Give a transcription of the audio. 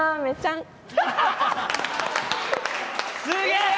すげえ！